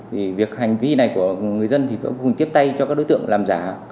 việc hành vi này của người dân thì cũng tiếp tay cho các đối tượng làm giả